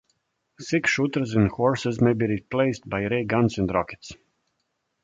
Six-shooters and horses may be replaced by ray guns and rockets.